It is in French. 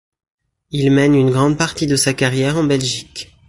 Il mène une grande partie de sa carrière en Belgique.